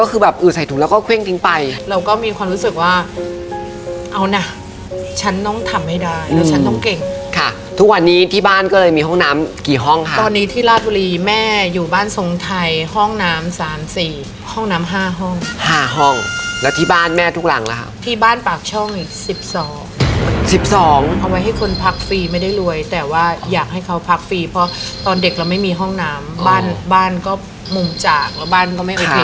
แม่ลีน้อยใจแก้มบุ๋มเพราะว่ารักหมามากกว่าแม่